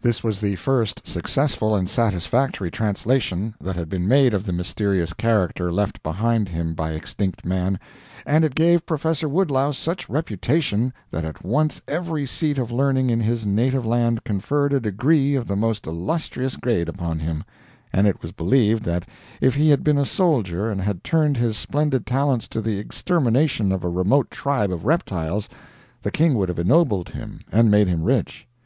This was the first successful and satisfactory translation that had been made of the mysterious character left behind him by extinct man, and it gave Professor Woodlouse such reputation that at once every seat of learning in his native land conferred a degree of the most illustrious grade upon him, and it was believed that if he had been a soldier and had turned his splendid talents to the extermination of a remote tribe of reptiles, the king would have ennobled him and made him rich.